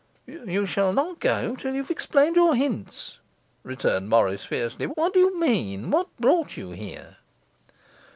'You shall not go till you have explained your hints,' returned Morris fiercely. 'What do you mean? What brought you here?